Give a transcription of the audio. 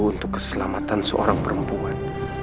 untuk keselamatan seorang perempuan